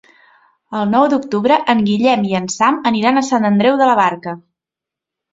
El nou d'octubre en Guillem i en Sam aniran a Sant Andreu de la Barca.